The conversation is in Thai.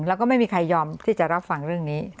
แล้วก็ไม่มีใครยอมที่จะรับฟังเรื่องนี้